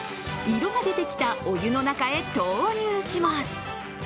色が出てきたお湯の中へ投入します。